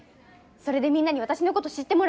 それでみんなに私のこと知ってもらう。